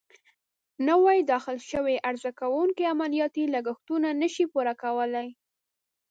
نوي داخل شوي عرضه کوونکې عملیاتي لګښتونه نه شي پوره کولای.